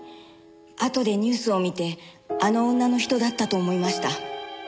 あとでニュースを見てあの女の人だったと思いました。